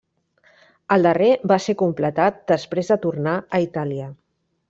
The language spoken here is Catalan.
El darrer va ser completat després de tornar a Itàlia.